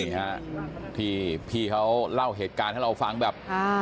นี่ฮะที่พี่เขาเล่าเหตุการณ์ให้เราฟังแบบ